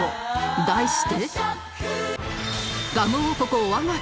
題して